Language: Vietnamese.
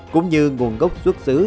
cũng như nguồn gốc xuất xứ